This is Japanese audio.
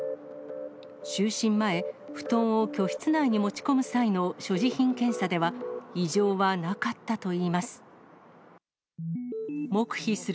就寝前、布団を居室内に持ち込む際の所持品検査では、異常はなかったといいます。